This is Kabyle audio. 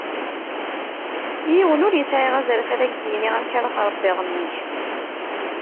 Yiwen ur yesεa azref ad k-d-yini amek ara tṛebbiḍ mmi-k.